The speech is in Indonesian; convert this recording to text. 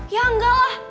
ya enggak lah